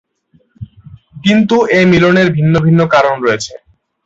কিন্তু এ মিলনের ভিন্ন ভিন্ন কারণ রয়েছে।